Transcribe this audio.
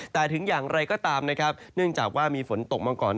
แต่ถึงอย่างไรก็ตามนะครับเนื่องจากว่ามีฝนตกมาก่อน